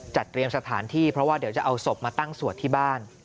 เตรียมสถานที่เพราะว่าเดี๋ยวจะเอาศพมาตั้งสวดที่บ้าน